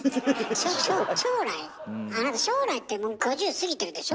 あなた将来ってもう５０過ぎてるでしょ。